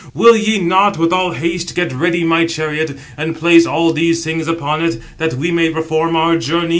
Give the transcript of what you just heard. Will ye not with all haste get ready my chariot, and place all these things upon it, that we may perform our journey?"